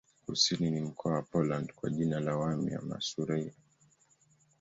Kusini ni mkoa wa Poland kwa jina la Warmia-Masuria.